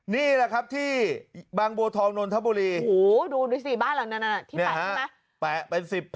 นี่แหละครับที่บางบัวทองนทบุรี